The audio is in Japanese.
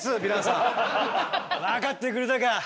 分かってくれたか。